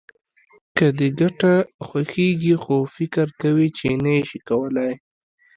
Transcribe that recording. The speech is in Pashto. که دې ګټه خوښېږي خو فکر کوې چې نه يې شې کولای.